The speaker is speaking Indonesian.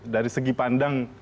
dari segi pandang